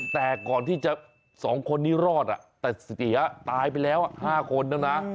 แต่ก่อนที่จะ๒คนนี้รอดแต่เสียตายไปแล้ว๕คนแล้วนะ